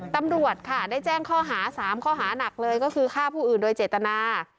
ตำรวจค่ะได้แจ้งข้อหา๓ข้อหานักเลยก็คือฆ่าผู้อื่นโดยเจตนา